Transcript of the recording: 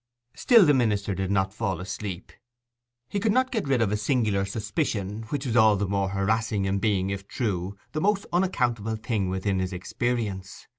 Still the minister did not fall asleep. He could not get rid of a singular suspicion, which was all the more harassing in being, if true, the most unaccountable thing within his experience.